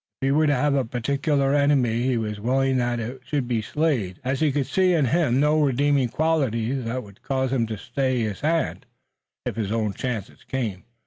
If he were to have a particular enemy he was willing that it should be Slade, as he could see in him no redeeming quality that would cause him to stay his hand, if his own chance came.